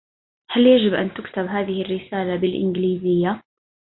هل يجب ان تُكتْب هذه الرسالة بالإنجليزية